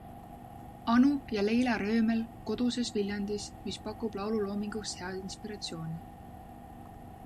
Anu ja Leila Röömel koduses Viljandis, mis pakub laululoominguks head inspiratsiooni.